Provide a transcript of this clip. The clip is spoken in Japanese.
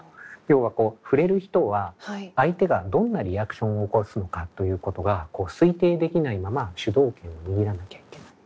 要はふれる人は相手がどんなリアクションを起こすのかということが推定できないまま主導権を握らなきゃいけない。